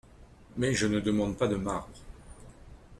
Mais je ne demande pas de marbre.